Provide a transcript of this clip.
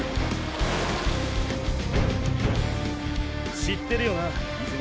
知ってるよな泉田。